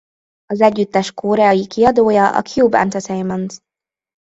Az együttes koreai kiadója a Cube Entertainment.